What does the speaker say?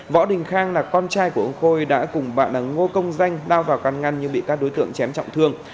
võ đình khang là con trai của ông khôi đã cùng bạn ngô công danh lao vào căn ngăn nhưng bị các đối tượng chém trọng thương